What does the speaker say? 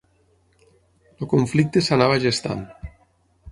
El conflicte s'anava gestant.